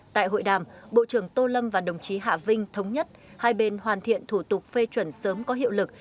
tại hội đàm bộ trưởng tô lâm và đồng chí hạ vinh thống nhất hai bên hoàn thiện thủ tục phê chuẩn sớm có hiệu lực